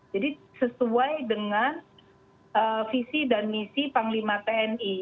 jadi sesuai dengan visi dan misi panglima tni